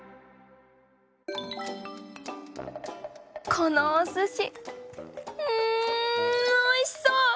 このおすしうんおいしそう！